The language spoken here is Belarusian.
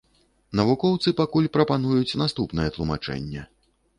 Навукоўцы пакуль прапануюць наступнае тлумачэнне.